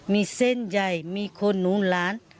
มีเส้นใหญ่มีคนหนูหลาน